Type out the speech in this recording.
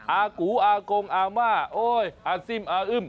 อากูอากงอาม่าโอ๊ยอาซิ่มอาอึ้ม